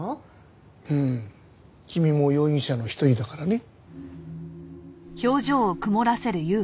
うん君も容疑者の一人だからね。